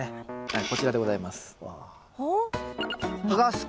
はいこちらでございます。